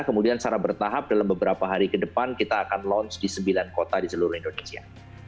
kemudian secara bertahap dalam beberapa hari ke depan kita akan launch di sembilan kota di seluruh indonesia